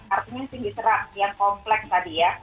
artinya tinggi serat yang kompleks tadi ya